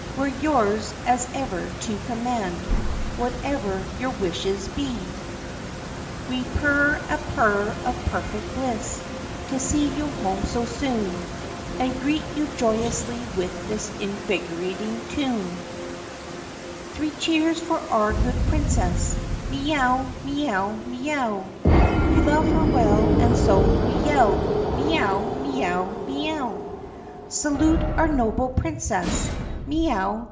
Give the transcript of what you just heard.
We 're yours, as ever, to command, Whate'er your wishes be! 61 62 THE PUSSYCAT PRINCESS "We purr a purr of purrfect bliss To see you home so soon, And greet you joyously with this Invigorating tune: CHORUS "Three cheers for our good Princess! Mee ow! Mee ow! Mee ow! We love her well and so we yell Mee ow! Mee ow! Mee ow! "Salute our noble Princess! Mee ow!